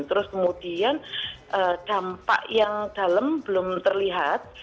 terus kemudian dampak yang dalam belum terlihat